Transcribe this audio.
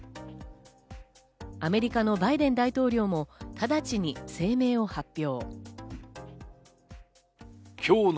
アメリカのバイデン大統領も直ちに声明を発表。